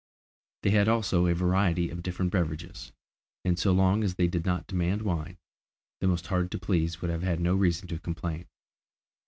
They had also a variety of different beverages, and so long as they did not demand wine, the most hard to please would have had no reason to complain.